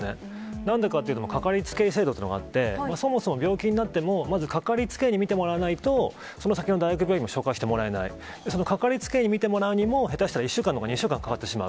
なんでかっていうと、かかりつけ医制度というのがあって、そもそも病気になっても、まず、かかりつけ医に見てもらわないと、その先の大学病院も紹介してもらえない、そのかかりつけ医、診てもらうにも、下手したら１週間とか、２週間かかってしまう。